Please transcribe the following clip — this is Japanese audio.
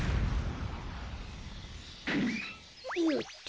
よっと。